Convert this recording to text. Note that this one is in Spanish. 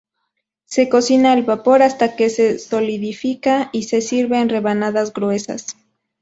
Se cocina al vapor hasta que se solidifica y se sirve en rebanadas gruesas.